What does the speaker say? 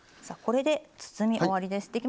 さあこれで包み終わりです。